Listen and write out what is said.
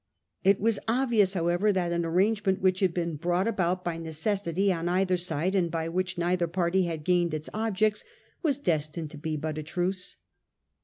It was obvious, however, that an arrangement which had been brought about by necessity on either side and by which neither party had gained its objects, was destined to be but a truce.